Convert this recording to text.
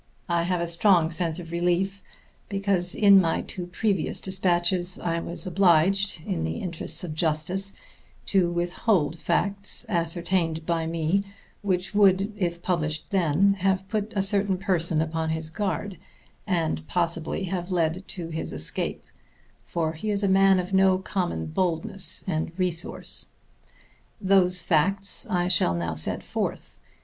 I have a strong sense of relief, because in my two previous despatches I was obliged, in the interests of justice, to withhold facts ascertained by me which would, if published then, have put a certain person upon his guard and possibly have led to his escape; for he is a man of no common boldness and resource. Those facts I shall now set forth.